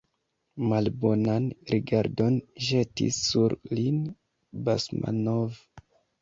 Malbonan rigardon ĵetis sur lin Basmanov.